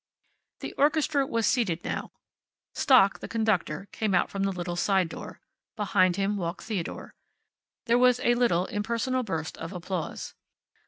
The orchestra was seated now. Stock, the conductor, came out from the little side door. Behind him walked Theodore. There was a little, impersonal burst of applause.